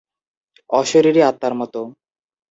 অশীরিরী আত্মার মতো।